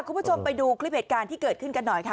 คุณผู้ชมไปดูคลิปเหตุการณ์ที่เกิดขึ้นกันหน่อยค่ะ